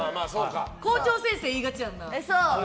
校長先生言いがちやんな。